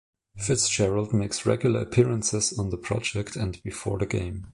Fitzgerald makes regular appearances on "The Project" and "Before The Game".